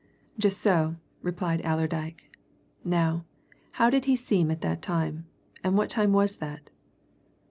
"Just so," replied Allerdyke. "Now, how did he seem at that time? And what time was that?"